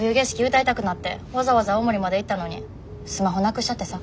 歌いたくなってわざわざ青森まで行ったのにスマホなくしちゃってさ。